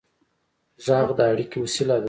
غږ د اړیکې وسیله ده.